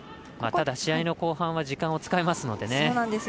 ただ、試合の後半は時間を使いますのでね。